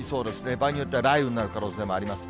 場合によっては雷雨になる可能性もあります。